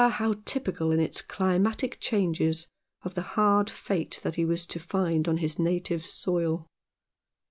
how typical in its climatic changes of the hard fate that he was to find on his native soil